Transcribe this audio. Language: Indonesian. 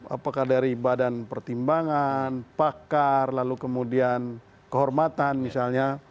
apakah dari badan pertimbangan pakar lalu kemudian kehormatan misalnya